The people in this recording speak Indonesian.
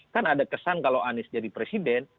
kan ada kesan kalau anies jadi presiden